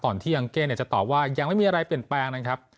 ที่ยังเก้จะตอบว่ายังไม่มีอะไรเปลี่ยนแปลงนะครับ